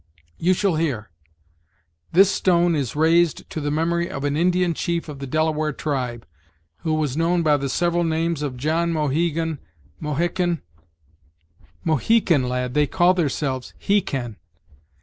"You shall hear: This stone is raised to the memory of an Indian Chief of the Delaware tribe, who was known by the several names of John Mohegan Mohican '" "Mo hee can, lad, they call theirselves! 'hecan."